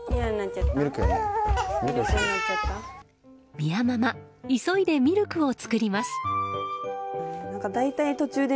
美弥ママ急いでミルクを作ります。